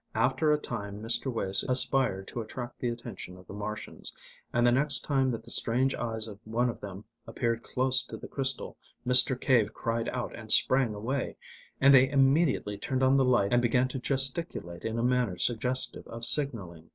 After a time Mr. Wace aspired to attract the attention of the Martians, and the next time that the strange eyes of one of them appeared close to the crystal Mr. Cave cried out and sprang away, and they immediately turned on the light and began to gesticulate in a manner suggestive of signalling.